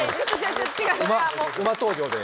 馬馬登場で。